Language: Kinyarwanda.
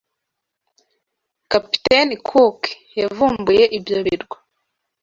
Kapiteni Cook yavumbuye ibyo birwa.